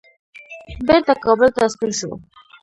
بیرته کابل ته ستون شو.